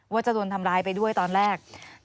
ว่าจะโดนทำร้ายไปด้วยตอนแรก